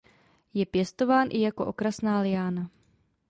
Je pěstován i jako okrasná liána.